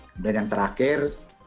kemudian yang terakhir